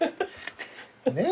ねえ？